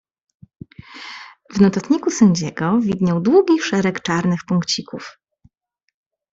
"W notatniku sędziego widniał długi szereg czarnych punkcików."